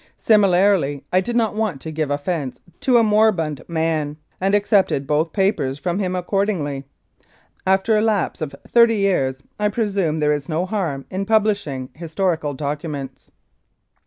Similarly, I did not want to give offence to a moribund man, and accepted both papers from him accordingly. After a lapse of thirty years I presume there is no harm in publishing historical documents.